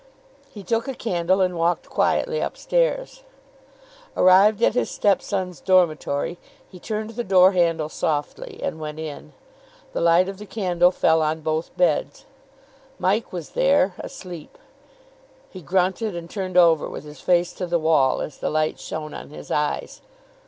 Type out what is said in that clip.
He took a candle, and walked quietly upstairs. Arrived at his step son's dormitory, he turned the door handle softly and went in. The light of the candle fell on both beds. Mike was there, asleep. He grunted, and turned over with his face to the wall as the light shone on his eyes.